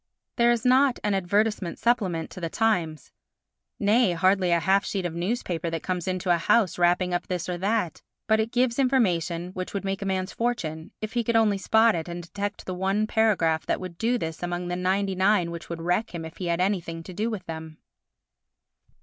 There is not an advertisement supplement to the Times—nay, hardly a half sheet of newspaper that comes into a house wrapping up this or that, but it gives information which would make a man's fortune, if he could only spot it and detect the one paragraph that would do this among the 99 which would wreck him if he had anything to do with them.